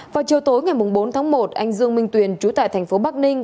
vào chiều tối ngày bốn tháng một anh dương minh tuyền trú tại tp bắc ninh